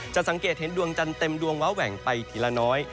สังเกตเห็นดวงจันทร์เต็มดวงว้าแหว่งไปทีละน้อย